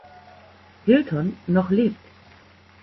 Hilton noch lebt.